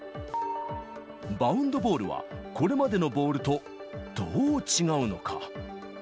バウンドボールは、これまでのボールとどう違うのか。